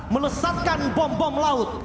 menesatkan bom bom laut